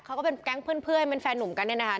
ก็เป็นแก๊งเพื่อนเป็นแฟนหนุ่มกันเนี่ยนะคะ